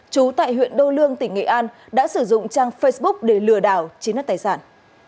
chú tại huyện đô lương tỉnh nghệ an đã sử dụng trang facebook để lừa đảo chiếm đất tài sản